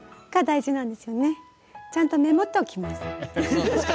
そうですか。